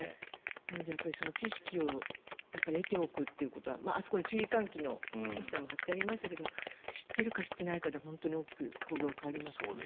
なので知識を得ておくということはあそこに注意喚起のポスターも貼ってありましたけれど知っているか知ってないかで大きく行動が変わりますね。